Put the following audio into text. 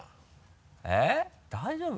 えっ大丈夫？